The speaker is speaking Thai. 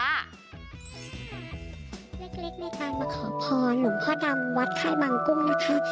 เล็กได้ไปมาขอพรหลงพ่อดั่งวัดข้ายบังคุงนะคะ